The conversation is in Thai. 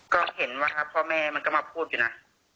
ก็เห็นว่าครับพ่อแม่มันก็มาพูดอยู่นะ